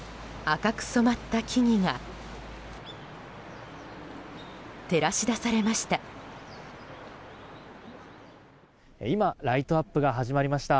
赤く染まった木々が照らし出されました。